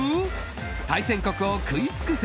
対戦国を食い尽くせ！